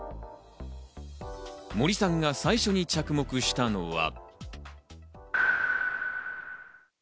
森さんが最初に着目したのは。